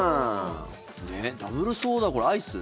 ダブルソーダ、これアイス？